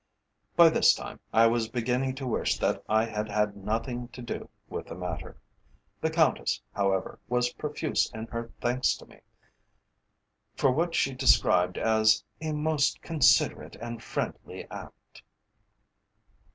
By this time I was beginning to wish that I had had nothing to do with the matter. The Countess, however, was profuse in her thanks to me, for what she described as "a most considerate and friendly act."